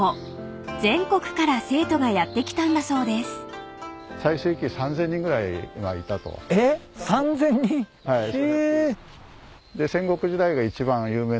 ［全国から生徒がやって来たんだそうです］えっ３，０００人？ひえ。